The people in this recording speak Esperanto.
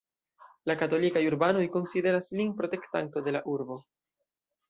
La katolikaj urbanoj konsideras lin protektanto de la urbo.